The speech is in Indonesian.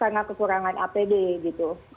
karena kekurangan apd gitu